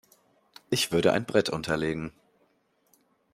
Ich würde ein Brett unterlegen.